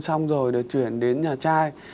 xong rồi để chuyển đến nhà trai